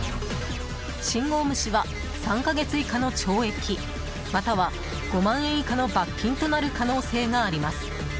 信号無視は３か月以下の懲役または５万円以下の罰金となる可能性があります。